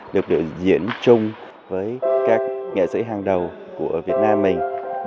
được biểu diễn chung với các nghệ sĩ hàng đầu của việt nam mình